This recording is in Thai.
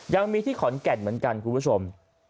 ยังมีที่ขอนแก่นเหมือนกันคุณผู้ชม